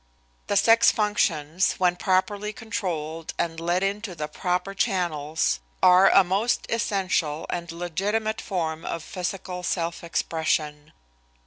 The sex functions, when properly controlled and led into the proper channels, are a most essential and legitimate form of physical self expression.